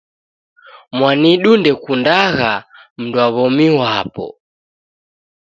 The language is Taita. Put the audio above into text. Mwanidu ndekundagha mdu wa w'omi wapo